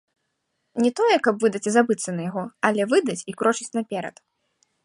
Не тое, каб выдаць і забыцца на яго, але выдаць і крочыць наперад.